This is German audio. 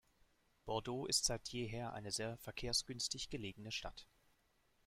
Bordeaux ist seit jeher eine sehr verkehrsgünstig gelegene Stadt.